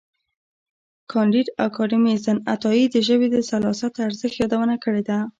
کانديد اکاډميسن عطايي د ژبې د سلاست ارزښت یادونه کړې ده.